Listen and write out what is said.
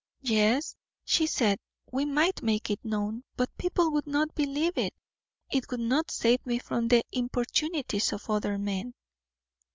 "Yes," she said, "we might make it known, but people would not believe it; it would not save me from the importunities of other men."